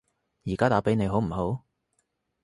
而家打畀你好唔好？